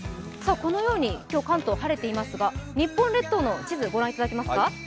このように今日、関東は晴れていますが、日本列島の地図を御覧いただけますか？